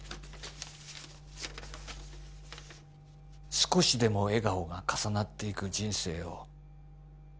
「少しでも笑顔が重なっていく人生を」